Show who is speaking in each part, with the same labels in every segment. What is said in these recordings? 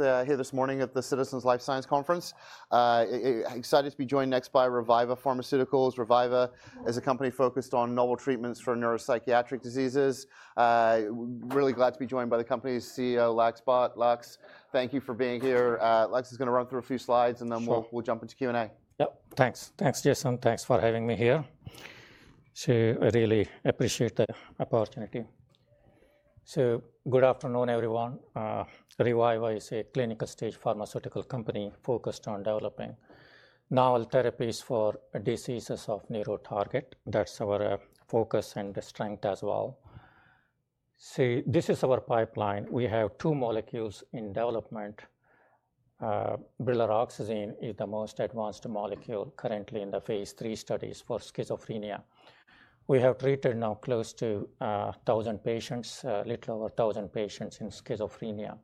Speaker 1: Here this morning at the Citizens Life Science Conference. Excited to be joined next by Reviva Pharmaceuticals. Reviva is a company focused on novel treatments for neuropsychiatric diseases. Really glad to be joined by the company's CEO, Laxminarayan Bhat. Lax, thank you for being here. Lax is going to run through a few slides, and then we'll jump into Q&A.
Speaker 2: Yep. Thanks. Thanks, Jason. Thanks for having me here. I really appreciate the opportunity. Good afternoon, everyone. Reviva is a clinical stage pharmaceutical company focused on developing novel therapies for diseases of neuro target. That's our focus and strength as well. This is our pipeline. We have 2 molecules in development. Brilaroxazine is the most advanced molecule currently in the phase III studies for schizophrenia. We have treated now close to 1,000 patients, a little over 1,000 patients in schizophrenia.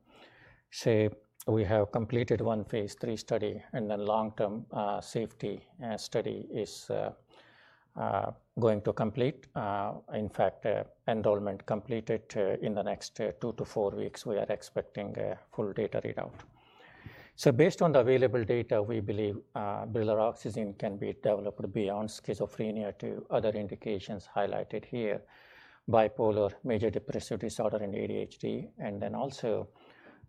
Speaker 2: We have completed one phase III study, and then long-term safety study is going to complete. In fact, enrollment completed in the next 2 to 4r weeks. We are expecting a full data readout. Based on the available data, we believe Brilaroxazine can be developed beyond schizophrenia to other indications highlighted here: bipolar, major depressive disorder, and ADHD, and then also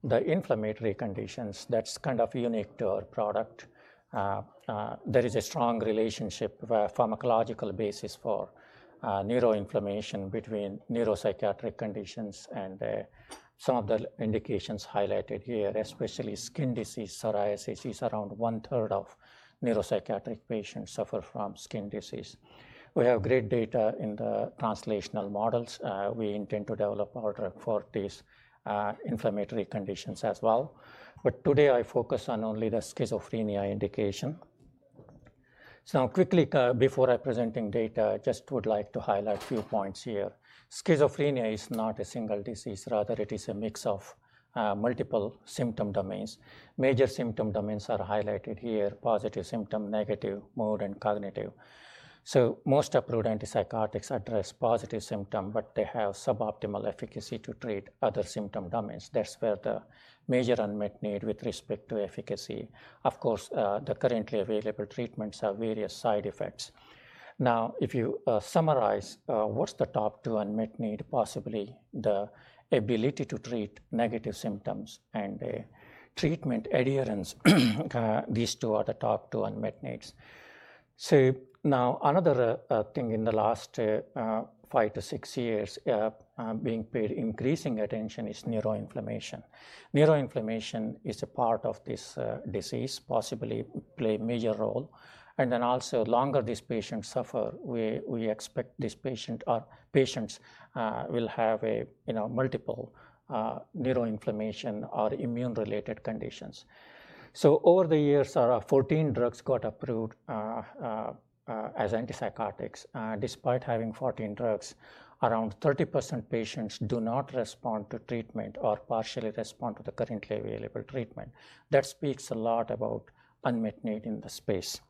Speaker 2: the inflammatory conditions. That's kind of unique to our product. There is a strong relationship, pharmacological basis for neuroinflammation between neuropsychiatric conditions and some of the indications highlighted here, especially skin disease, psoriasis. It's around one third of neuropsychiatric patients suffer from skin disease. We have great data in the translational models. We intend to develop our drug for these inflammatory conditions as well. Today I focus on only the schizophrenia indication. Quickly, before I present data, I just would like to highlight a few points here. Schizophrenia is not a single disease. Rather, it is a mix of multiple symptom domains. Major symptom domains are highlighted here: positive symptom, negative, mood, and cognitive. Most approved antipsychotics address positive symptom, but they have suboptimal efficacy to treat other symptom domains. That's where the major unmet need with respect to efficacy. Of course, the currently available treatments have various side effects. Now, if you summarize, what's the top 2 unmet need? Possibly the ability to treat negative symptoms and treatment adherence. These 2 are the top 2 unmet needs. Another thing in the last 5 to 6 years being paid increasing attention is neuroinflammation. Neuroinflammation is a part of this disease, possibly play a major role. Also, the longer these patients suffer, we expect these patients will have multiple neuroinflammation or immune-related conditions. Over the years, 14 drugs got approved as antipsychotics. Despite having 14 drugs, around 30% of patients do not respond to treatment or partially respond to the currently available treatment. That speaks a lot about unmet need in the space.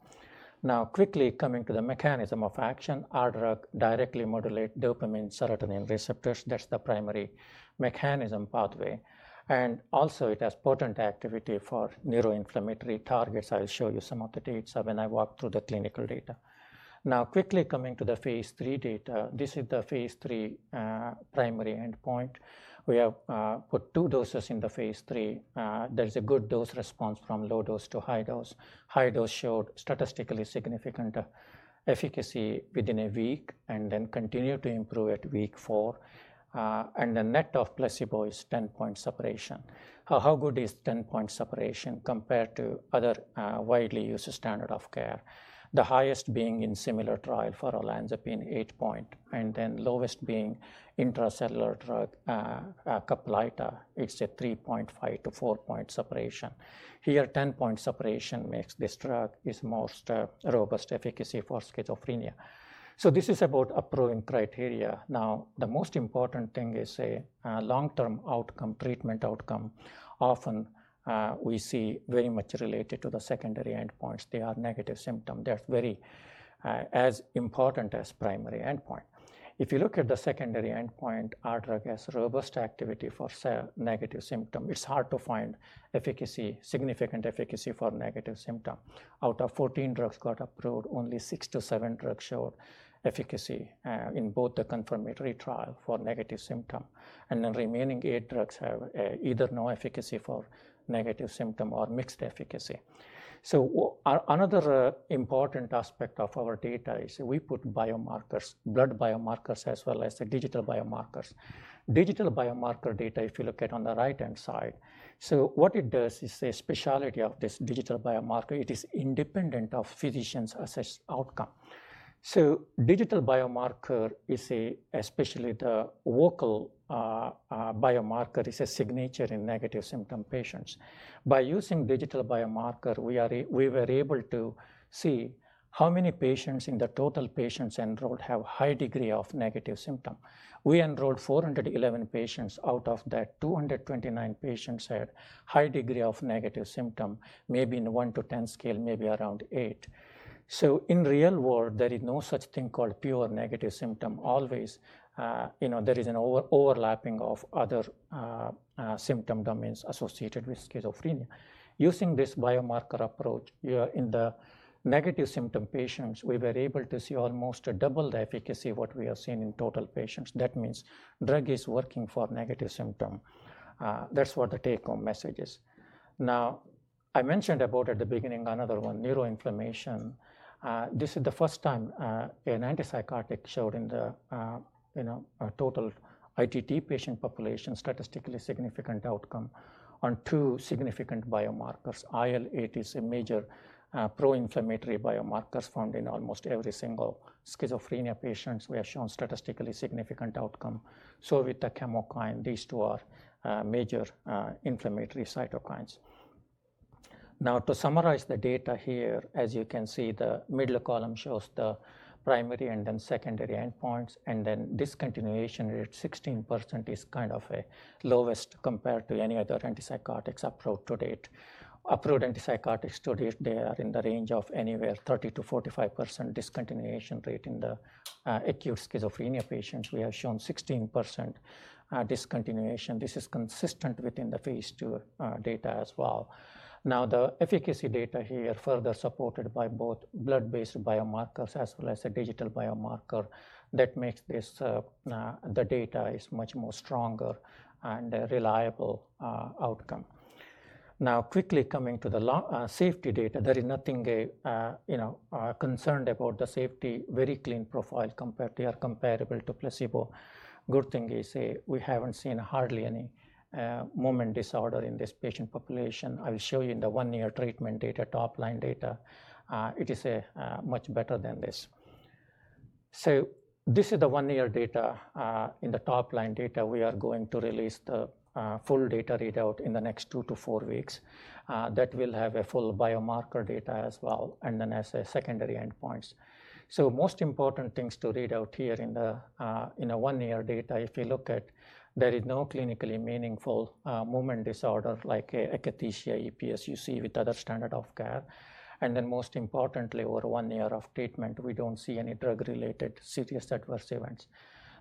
Speaker 2: Now, quickly coming to the mechanism of action, our drug directly modulates dopamine serotonin receptors. That's the primary mechanism pathway. Also, it has potent activity for neuroinflammatory targets. I'll show you some of the dates when I walk through the clinical data. Now, quickly coming to the phase II data, this is the phase III primary endpoint. We have put 2 doses in the phase III. There's a good dose response from low dose to high dose. High dose showed statistically significant efficacy within a week and then continued to improve at week 4. The net of placebo is 10-point separation. How good is 10-point separation compared to other widely used standards of care? The highest being in similar trial for olanzapine, 8-point, and then lowest being Intra-Cellular Therapies drug, Caplyta. It's a 3.5-4-point separation. Here, 10-point separation makes this drug have the most robust efficacy for schizophrenia. This is about approving criteria. Now, the most important thing is a long-term outcome, treatment outcome. Often we see very much related to the secondary endpoints. They are negative symptom. That's very as important as primary endpoint. If you look at the secondary endpoint, our drug has robust activity for negative symptom. It's hard to find significant efficacy for negative symptom. Out of 14 drugs got approved, only 6 to 7 drugs showed efficacy in both the confirmatory trial for negative symptom. The remaining 8 drugs have either no efficacy for negative symptom or mixed efficacy. Another important aspect of our data is we put biomarkers, blood biomarkers, as well as digital biomarkers. Digital biomarker data, if you look at it on the right-hand side. What it does is a specialty of this digital biomarker. It is independent of physicians' assessed outcome. Digital biomarker is especially the vocal biomarker is a signature in negative symptom patients. By using digital biomarker, we were able to see how many patients in the total patients enrolled have a high degree of negative symptom. We enrolled 411 patients. Out of that, 229 patients had a high degree of negative symptom, maybe in a 1 to 10 scale, maybe around 8. In real world, there is no such thing called pure negative symptom. Always there is an overlapping of other symptom domains associated with schizophrenia. Using this biomarker approach, in the negative symptom patients, we were able to see almost double the efficacy of what we have seen in total patients. That means the drug is working for negative symptom. That's what the take-home message is. I mentioned about at the beginning another one, neuroinflammation. This is the first time an antipsychotic showed in the total ITT patient population statistically significant outcome on 2 significant biomarkers. IL-8 is a major pro-inflammatory biomarker found in almost every single schizophrenia patient. We have shown statistically significant outcome. With the chemokine, these 2 are major inflammatory cytokines. To summarize the data here, as you can see, the middle column shows the primary and then secondary endpoints. Discontinuation rate 16% is kind of the lowest compared to any other antipsychotics approved to date. Approved antipsychotics to date, they are in the range of anywhere 30%-45% discontinuation rate in the acute schizophrenia patients. We have shown 16% discontinuation. This is consistent within the phase 2 data as well. The efficacy data here is further supported by both blood-based biomarkers as well as a digital biomarker. That makes the data much more stronger and a reliable outcome. Quickly coming to the safety data, there is nothing concerned about the safety. Very clean profile compared. They are comparable to placebo. Good thing is we haven't seen hardly any movement disorder in this patient population. I will show you in the one-year treatment data, top-line data. It is much better than this. This is the one-year data. In the top-line data, we are going to release the full data readout in the next 2 to 4 weeks. That will have full biomarker data as well and then as secondary endpoints. Most important things to read out here in the one-year data, if you look at, there is no clinically meaningful movement disorder like akathisia, EPS you see with other standard of care. Most importantly, over one year of treatment, we don't see any drug-related serious adverse events.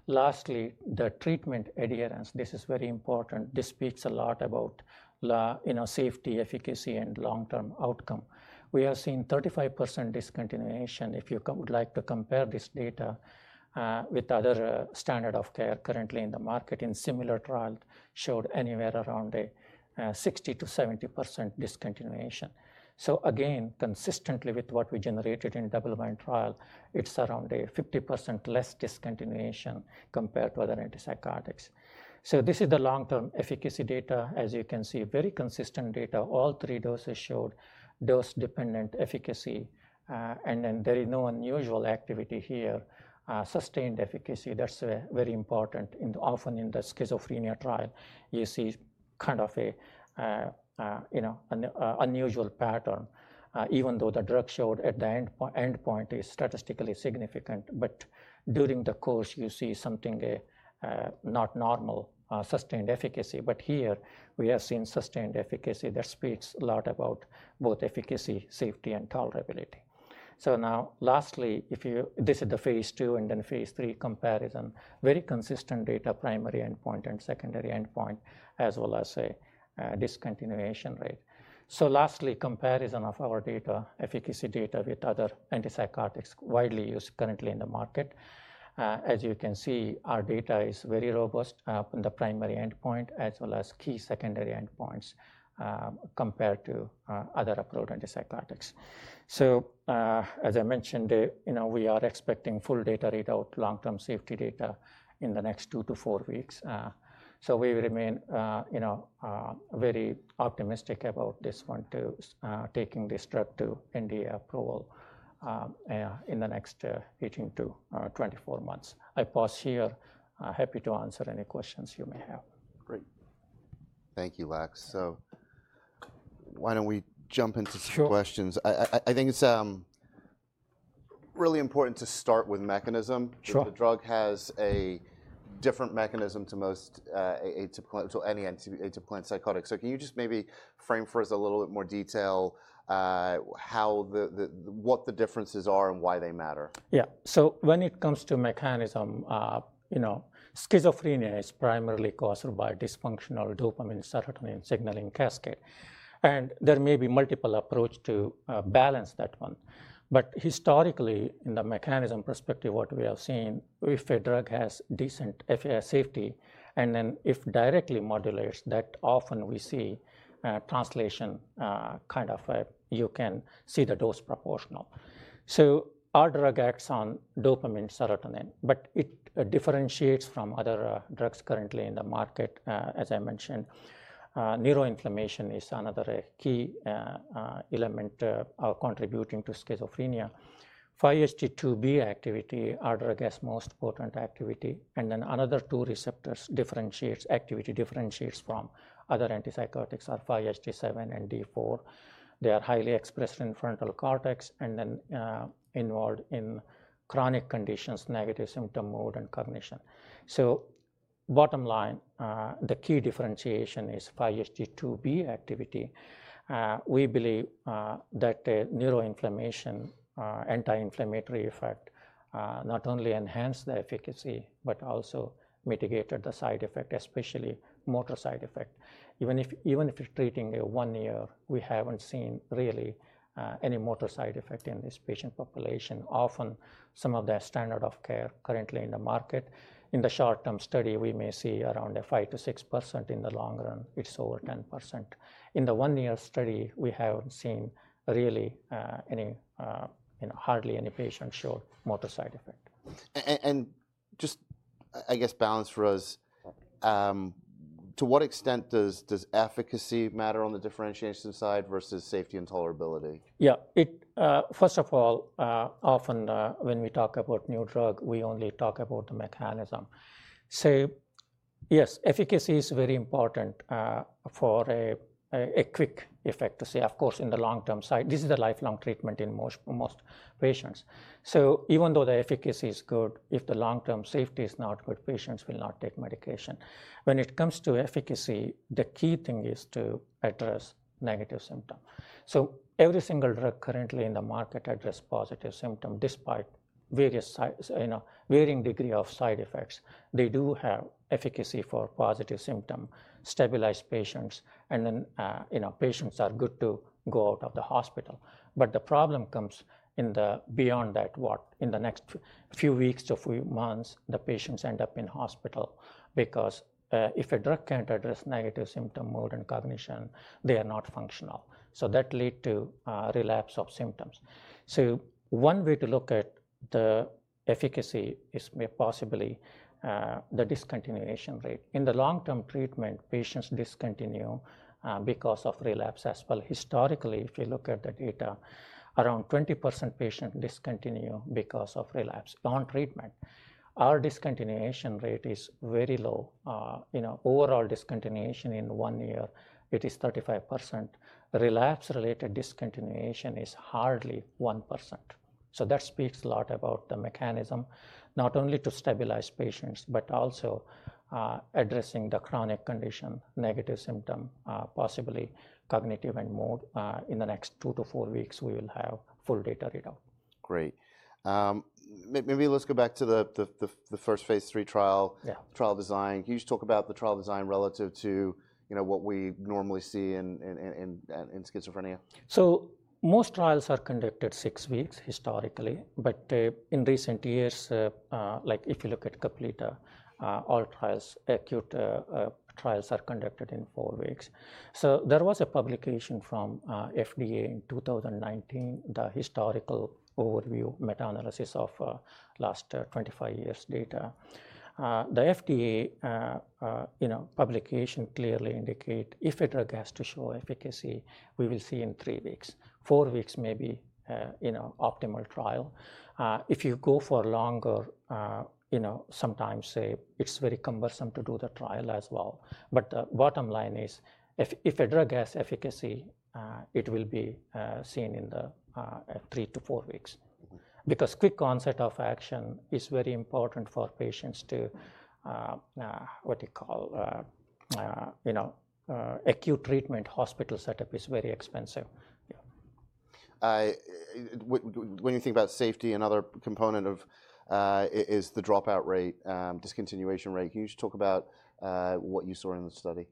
Speaker 2: Lastly, the treatment adherence, this is very important. This speaks a lot about safety, efficacy, and long-term outcome. We have seen 35% discontinuation. If you would like to compare this data with other standard of care currently in the market, in similar trials, showed anywhere around 60%-70% discontinuation. Again, consistently with what we generated in the double-blind trial, it's around 50% less discontinuation compared to other antipsychotics. This is the long-term efficacy data. As you can see, very consistent data. All 3 doses showed dose-dependent efficacy. There is no unusual activity here. Sustained efficacy, that's very important. Often in the schizophrenia trial, you see kind of an unusual pattern, even though the drug showed at the endpoint is statistically significant. During the course, you see something not normal, sustained efficacy. Here, we have seen sustained efficacy. That speaks a lot about both efficacy, safety, and tolerability. Now, lastly, this is the phase II and then phase III comparison. Very consistent data, primary endpoint and secondary endpoint, as well as a discontinuation rate. Lastly, comparison of our data, efficacy data with other antipsychotics widely used currently in the market. As you can see, our data is very robust in the primary endpoint as well as key secondary endpoints compared to other approved antipsychotics. As I mentioned, we are expecting full data readout, long-term safety data in the next 2 to 4 weeks. We remain very optimistic about this one, taking this drug to NDA approval in the next 18 to 24 months. I pause here. Happy to answer any questions you may have.
Speaker 1: Great. Thank you, Lax. Why don't we jump into some questions? I think it's really important to start with mechanism. The drug has a different mechanism to most any antipsychotic. Can you just maybe frame for us a little bit more detail what the differences are and why they matter?
Speaker 2: Yeah. So when it comes to mechanism, schizophrenia is primarily caused by dysfunctional dopamine serotonin signaling casket. And there may be multiple approaches to balance that one. But historically, in the mechanism perspective, what we have seen, if a drug has decent safety and then if directly modulates, that often we see translation, kind of you can see the dose proportional. So our drug acts on dopamine serotonin, but it differentiates from other drugs currently in the market, as I mentioned. Neuroinflammation is another key element contributing to schizophrenia. 5-HT2B activity are the most important activity. And then another 2 receptors differentiates activity differentiates from other antipsychotics are 5-HT7 and D4. They are highly expressed in frontal cortex and then involved in chronic conditions, negative symptom mode, and cognition. So bottom line, the key differentiation is 5-HT2B activity. We believe that neuroinflammation, anti-inflammatory effect not only enhanced the efficacy, but also mitigated the side effect, especially motor side effect. Even if you're treating a one-year, we haven't seen really any motor side effect in this patient population. Often some of the standard of care currently in the market. In the short-term study, we may see around 5%-6%. In the long run, it's over 10%. In the one-year study, we haven't seen really hardly any patients showed motor side effect.
Speaker 1: I guess, balance for us, to what extent does efficacy matter on the differentiation side versus safety and tolerability?
Speaker 2: Yeah. First of all, often when we talk about new drug, we only talk about the mechanism. Yes, efficacy is very important for a quick effect to see. Of course, in the long-term side, this is a lifelong treatment in most patients. Even though the efficacy is good, if the long-term safety is not good, patients will not take medication. When it comes to efficacy, the key thing is to address negative symptom. Every single drug currently in the market addresses positive symptom despite varying degree of side effects. They do have efficacy for positive symptom, stabilize patients, and then patients are good to go out of the hospital. The problem comes in beyond that, what in the next few weeks to a few months, the patients end up in hospital because if a drug can't address negative symptom, mood, and cognition, they are not functional. That leads to relapse of symptoms. One way to look at the efficacy is possibly the discontinuation rate. In the long-term treatment, patients discontinue because of relapse as well. Historically, if you look at the data, around 20% of patients discontinue because of relapse on treatment. Our discontinuation rate is very low. Overall discontinuation in one year, it is 35%. Relapse-related discontinuation is hardly 1%. That speaks a lot about the mechanism, not only to stabilize patients, but also addressing the chronic condition, negative symptom, possibly cognitive and mood. In the next 2 to 4 weeks, we will have full data readout.
Speaker 1: Great. Maybe let's go back to the first phase III trial design. Can you just talk about the trial design relative to what we normally see in schizophrenia?
Speaker 2: Most trials are conducted 6 weeks historically. In recent years, like if you look at Caplyta, all trials, acute trials are conducted in 4 weeks. There was a publication from FDA in 2019, the historical overview meta-analysis of the last 25 years' data. The FDA publication clearly indicates if a drug has to show efficacy, we will see in 3 weeks. 4 weeks may be optimal trial. If you go for longer, sometimes it is very cumbersome to do the trial as well. The bottom line is if a drug has efficacy, it will be seen in 3 to 4 weeks. Quick onset of action is very important for patients to, what do you call, acute treatment. Hospital setup is very expensive.
Speaker 1: When you think about safety and other component of is the dropout rate, discontinuation rate, can you just talk about what you saw in the study?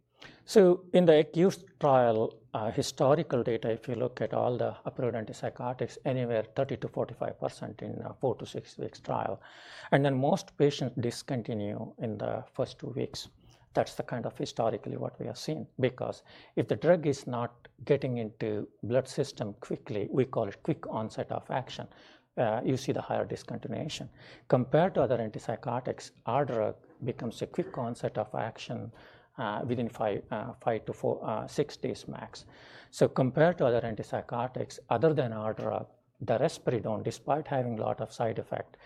Speaker 2: In the acute trial, historical data, if you look at all the approved antipsychotics, anywhere 30%-45% in 4-6 week trial. Most patients discontinue in the first 2 weeks. That's the kind of historically what we have seen. Because if the drug is not getting into blood system quickly, we call it quick onset of action, you see the higher discontinuation. Compared to other antipsychotics, our drug becomes a quick onset of action within 5 to 6 days max. Compared to other antipsychotics, other than our drug, the Risperidone, despite having a lot of side effects,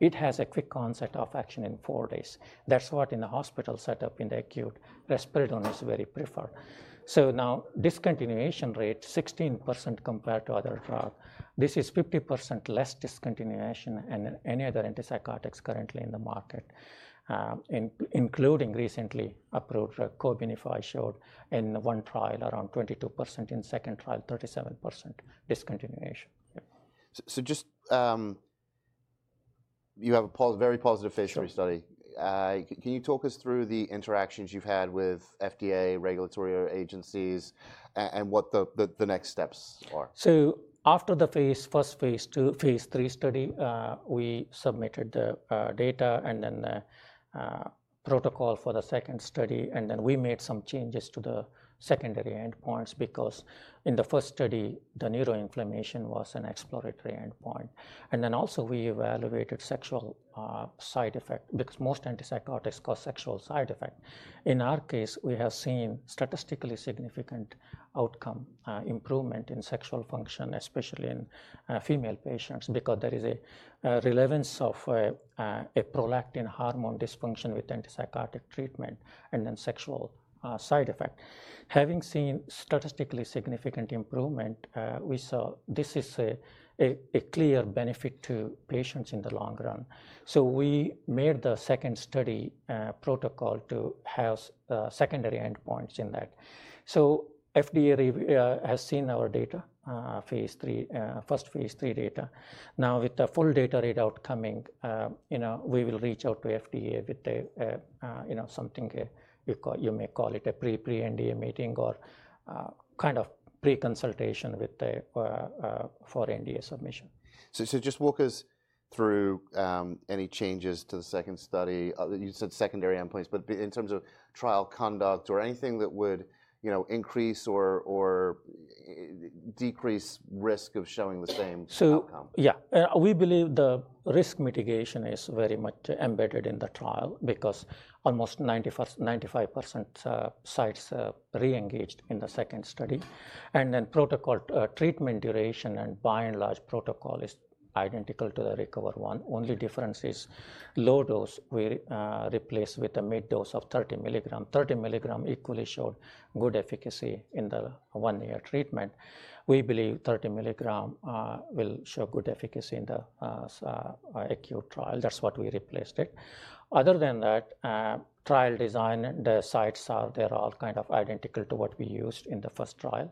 Speaker 2: it has a quick onset of action in 4 days. That's what in the hospital setup in the acute, Risperidone is very preferred. Now discontinuation rate, 16% compared to other drug. This is 50% less discontinuation than any other antipsychotics currently in the market, including recently approved Cobenfy showed in one trial around 22%, in second trial, 37% discontinuation.
Speaker 1: Just you have a very positive phase III study. Can you talk us through the interactions you've had with FDA, regulatory agencies, and what the next steps are?
Speaker 2: After the first phase II, phase III study, we submitted the data and then the protocol for the second study. We made some changes to the secondary endpoints because in the first study, the neuroinflammation was an exploratory endpoint. We also evaluated sexual side effect because most antipsychotics cause sexual side effect. In our case, we have seen statistically significant outcome improvement in sexual function, especially in female patients because there is a relevance of a prolactin hormone dysfunction with antipsychotic treatment and then sexual side effect. Having seen statistically significant improvement, we saw this is a clear benefit to patients in the long run. We made the second study protocol to have secondary endpoints in that. FDA has seen our data, phase III, first phase III data. Now with the full data readout coming, we will reach out to FDA with something you may call it a pre-NDA meeting or kind of pre-consultation for NDA submission.
Speaker 1: Just walk us through any changes to the second study. You said secondary endpoints, but in terms of trial conduct or anything that would increase or decrease risk of showing the same outcome.
Speaker 2: Yeah, we believe the risk mitigation is very much embedded in the trial because almost 95% sites re-engaged in the second study. Protocol treatment duration and by and large protocol is identical to the RECOVER-1. Only difference is low dose we replace with a mid-dose of 30 mg. 30 mg equally showed good efficacy in the one-year treatment. We believe 30 mg will show good efficacy in the acute trial. That's what we replaced it. Other than that, trial design, the sites are all kind of identical to what we used in the first trial.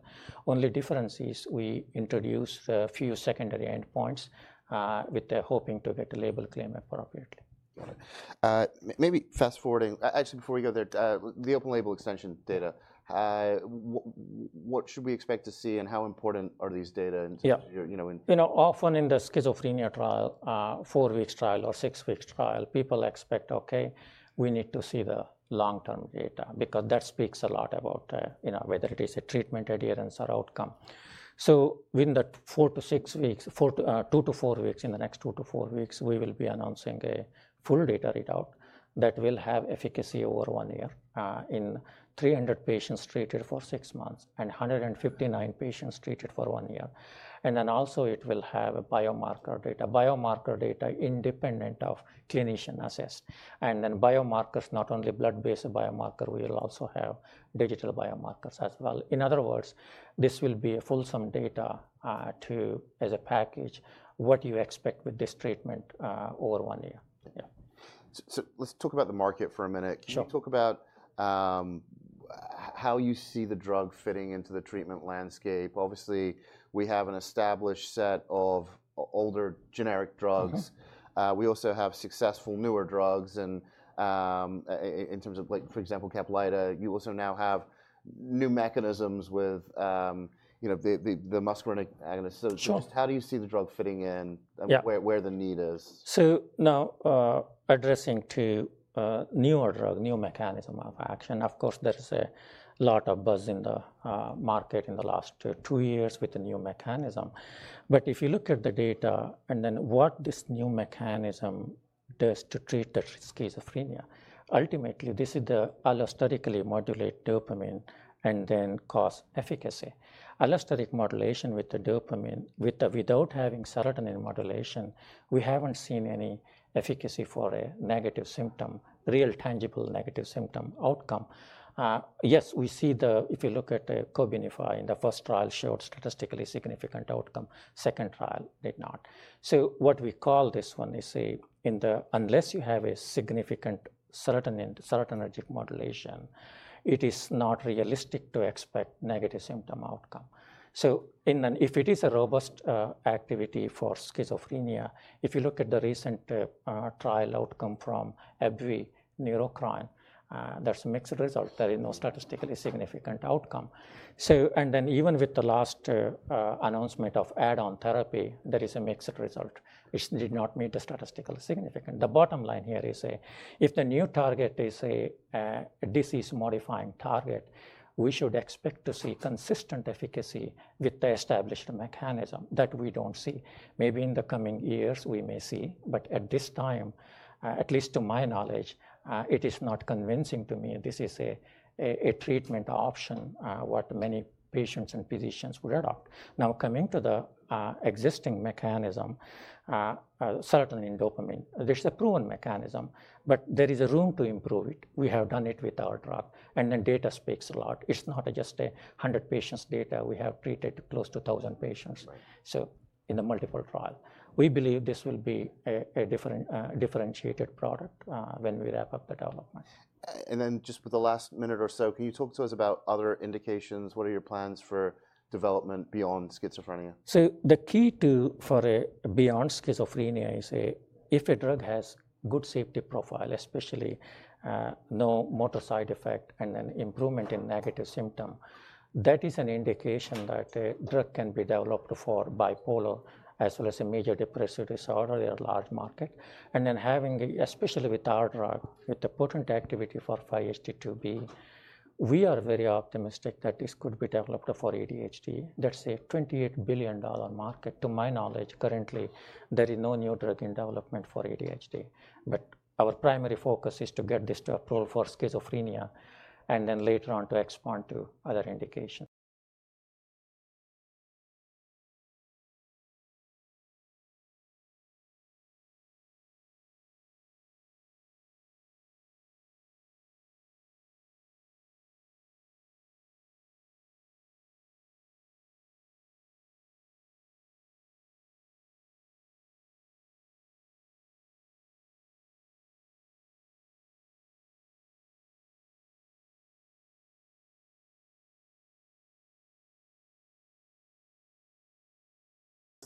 Speaker 2: Only difference is we introduced a few secondary endpoints with hoping to get a label claim appropriately.
Speaker 1: Maybe fast forwarding, actually before we go there, the open label extension data, what should we expect to see and how important are these data?
Speaker 2: Yeah. Often in the schizophrenia trial, 4 week trial or 6 week trial, people expect, okay, we need to see the long-term data because that speaks a lot about whether it is a treatment adherence or outcome. Within the next 2 to 4 weeks, we will be announcing a full data readout that will have efficacy over one year in 300 patients treated for 6 months and 159 patients treated for one year. It will also have biomarker data, biomarker data independent of clinician assess. Biomarkers, not only blood-based biomarker, we will also have digital biomarkers as well. In other words, this will be a fulsome data as a package, what you expect with this treatment over one year.
Speaker 1: Let's talk about the market for a minute. Can you talk about how you see the drug fitting into the treatment landscape? Obviously, we have an established set of older generic drugs. We also have successful newer drugs in terms of, for example, Caplyta. You also now have new mechanisms with the muscarinic agonist. Just how do you see the drug fitting in, where the need is?
Speaker 2: Now addressing to newer drug, new mechanism of action, of course, there's a lot of buzz in the market in the last 2 years with the new mechanism. If you look at the data and then what this new mechanism does to treat the schizophrenia, ultimately, this is the allosterically modulate dopamine and then cause efficacy. Allosteric modulation with the dopamine without having serotonin modulation, we haven't seen any efficacy for a negative symptom, real tangible negative symptom outcome. Yes, if you look at the Cobenfy in the first trial, showed statistically significant outcome. Second trial did not. What we call this one is unless you have a significant serotonin serotonergic modulation, it is not realistic to expect negative symptom outcome. If it is a robust activity for schizophrenia, if you look at the recent trial outcome from AbbVie, Neurocrine, there's a mixed result. There is no statistically significant outcome. Even with the last announcement of add-on therapy, there is a mixed result. It did not meet the statistical significance. The bottom line here is if the new target is a disease-modifying target, we should expect to see consistent efficacy with the established mechanism that we do not see. Maybe in the coming years, we may see. At this time, at least to my knowledge, it is not convincing to me this is a treatment option that many patients and physicians would adopt. Now coming to the existing mechanism, serotonin dopamine, there's a proven mechanism, but there is room to improve it. We have done it with our drug. The data speaks a lot. It's not just a 100 patients data. We have treated close to 1,000 patients in the multiple trial. We believe this will be a differentiated product when we wrap up the development.
Speaker 1: Just with the last minute or so, can you talk to us about other indications? What are your plans for development beyond schizophrenia?
Speaker 2: The key for beyond schizophrenia is if a drug has good safety profile, especially no motor side effect, and then improvement in negative symptom, that is an indication that a drug can be developed for bipolar as well as a major depressive disorder in a large market. Then having, especially with our drug, with the potent activity for 5-HT2B, we are very optimistic that this could be developed for ADHD. That's a $28 billion market. To my knowledge, currently, there is no new drug in development for ADHD. Our primary focus is to get this to approval for schizophrenia and then later on to expound to other indications.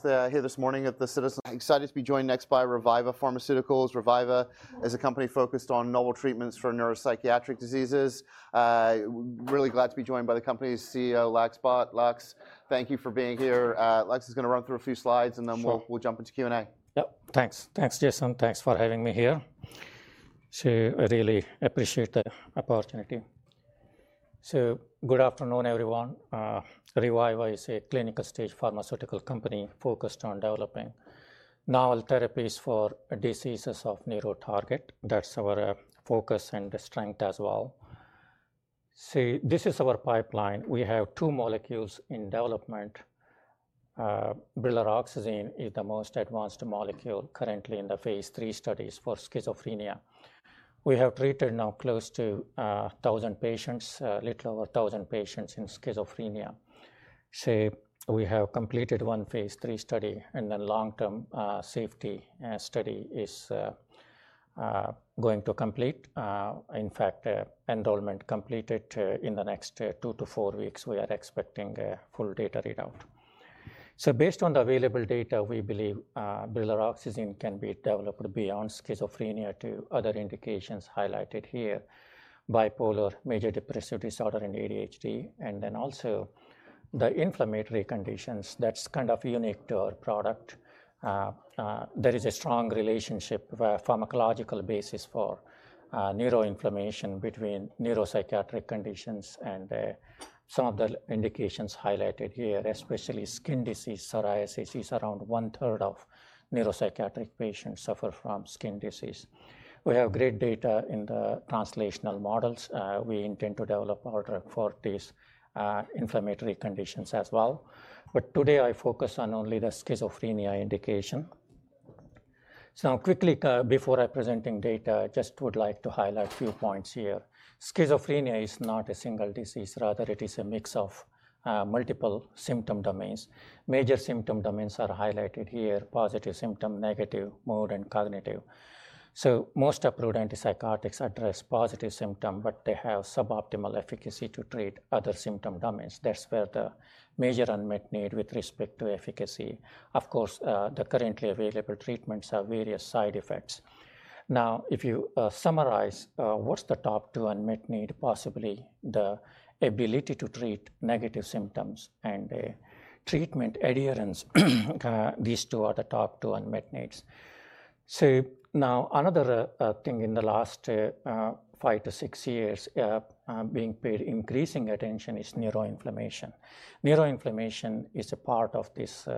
Speaker 1: Here this morning at the. Excited to be joined next by Reviva Pharmaceuticals. Reviva is a company focused on novel treatments for neuropsychiatric diseases. Really glad to be joined by the company's CEO, Laxminarayan Bhat. Laxminarayan, thank you for being here. Laxminarayan is going to run through a few slides and then we'll jump into Q&A.
Speaker 2: Yep. Thanks. Thanks, Jason. Thanks for having me here. I really appreciate the opportunity. Good afternoon, everyone. Reviva is a clinical stage pharmaceutical company focused on developing novel therapies for diseases of neuro target. That's our focus and strength as well. This is our pipeline. We have 2 molecules in development. Brilaroxazine is the most advanced molecule currently in the phase III studies for schizophrenia. We have treated now close to 1,000 patients, a little over 1,000 patients in schizophrenia. We have completed one phase III study and then long-term safety study is going to complete. In fact, enrollment completed in the next 2 to 4 weeks. We are expecting a full data readout. Based on the available data, we believe Brilaroxazine can be developed beyond schizophrenia to other indications highlighted here, bipolar, major depressive disorder, and ADHD, and also the inflammatory conditions. That's kind of unique to our product. There is a strong relationship, pharmacological basis for neuroinflammation between neuropsychiatric conditions and some of the indications highlighted here, especially skin disease, psoriasis. It's around one-third of neuropsychiatric patients suffer from skin disease. We have great data in the translational models. We intend to develop our drug for these inflammatory conditions as well. Today, I focus on only the schizophrenia indication. Now quickly, before I presenting data, I just would like to highlight a few points here. Schizophrenia is not a single disease. Rather, it is a mix of multiple symptom domains. Major symptom domains are highlighted here, positive symptom, negative, mood, and cognitive. Most approved antipsychotics address positive symptom, but they have suboptimal efficacy to treat other symptom domains. That's where the major unmet need with respect to efficacy. Of course, the currently available treatments have various side effects. Now, if you summarize, what's the top 2 unmet need? Possibly the ability to treat negative symptoms and treatment adherence. These 2 are the top 2 unmet needs. Another thing in the last 5 to 6 years being paid increasing attention is neuroinflammation. Neuroinflammation is a part of this.